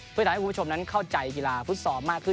เพื่อทำให้คุณผู้ชมนั้นเข้าใจกีฬาฟุตซอลมากขึ้น